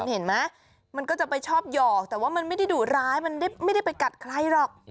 เห็นไหมมันก็จะไปชอบหยอกแต่ว่ามันไม่ได้ดุร้ายมันไม่ได้ไปกัดใครหรอก